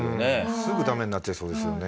すぐダメになっちゃいそうですよね。